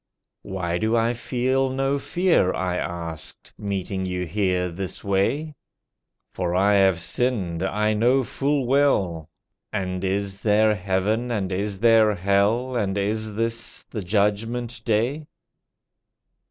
"Why do I feel no fear," I asked, "Meeting You here this way? For I have sinned I know full well? And is there heaven, and is there hell, And is this the judgment day?"